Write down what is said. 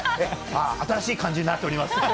新しい感じになっております。